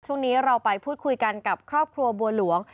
ช่วงนี้เราไปพูดคุยกันกับครอบครัวบัวหลวง